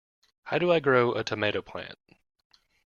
How do I grow a tomato plant?